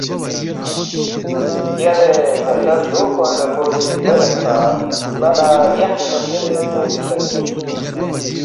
یلے کسل دو کوا نہ کھو سی زیریدپا، ”ن٘ا لہ رگیاخ چھمسے اونگفی سہ مین